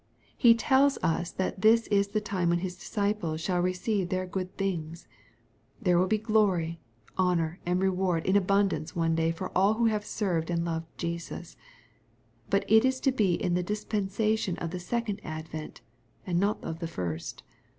He tells us that this is the time when His disciples shall receive their good things. There will be glory, honor, and reward in abundance one day for all who have served and loved Jesus. But it is to be in the dispensation of the second advent, and not of the first.